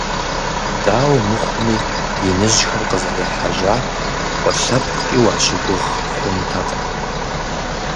Дауэ мыхъуами, иныжьхэр къызэрехьэжьат, фӀы лъэпкъкӏи уащыгугъ хъунутэкъым.